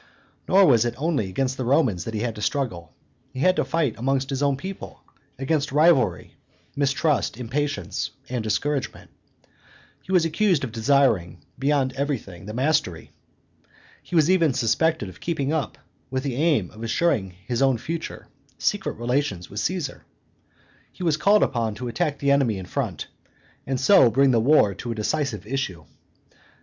Nor was it only against the Romans that he had to struggle; he had to fight amongst his own people, against rivalry, mistrust, impatience, and discouragement; he was accused of desiring, beyond everything, the mastery; he was even suspected of keeping up, with the view of assuring his own future, secret relations with Caesar; he was called upon to attack the enemy in front, and so bring the war to a decisive issue.